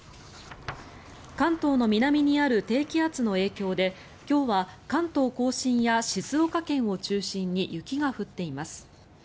関東の南にある低気圧の影響で今日は関東・甲信や静岡県を中心に雪が降っています。